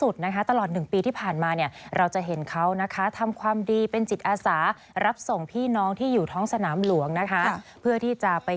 แต่มาในอันนี้